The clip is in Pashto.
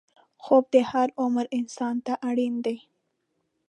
خوب د هر عمر انسان ته اړین دی